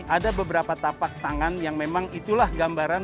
ada beberapa tapak tangan yang memang itulah gambaran